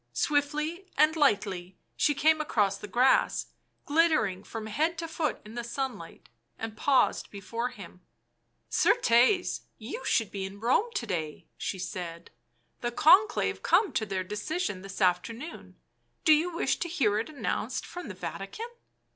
Swiftly and lightly she came across the grass, glittering from head to foot in the sunlight, and paused before him. " Certes, you should be in Rome to day," she said. " The Conclave come to their decision this afternoon ; do you wish to hear it announced from the Vatican?"